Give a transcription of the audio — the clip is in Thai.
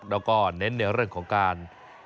แล้วก็เน้นในเรื่องของการ